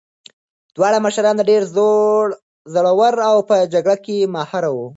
دواړه مشران ډېر زړور او په جګړه کې ماهر وو.